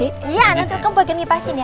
iya nanti aku buatkan ngipasin ya